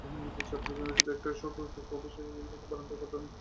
শুধু একটি কক্ষ শিক্ষকদের অফিস হিসেবে রেখে বারান্দায় পাঠদান কার্যক্রম শুরু হয়।